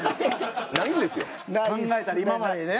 考えたら今までね